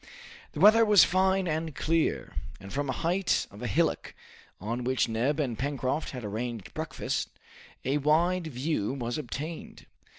The weather was fine and clear, and from a height of a hillock on which Neb and Pencroft had arranged breakfast, a wide view was obtained.